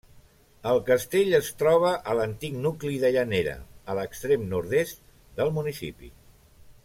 El castell es troba a l'antic nucli de Llanera, a l'extrem nord-est del municipi.